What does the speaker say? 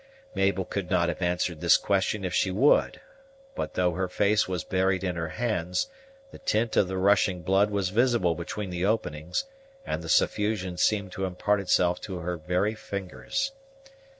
Mabel could not have answered this question if she would; but, though her face was buried in her hands, the tint of the rushing blood was visible between the openings, and the suffusion seemed to impart itself to her very fingers.